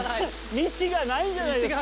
道がないんじゃないですか！